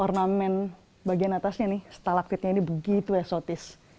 ornamen atasnya setalaktit yang esotis